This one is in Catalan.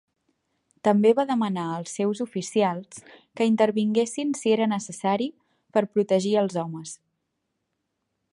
També va demanar als seus oficials que intervinguessin si era necessari per protegir els homes.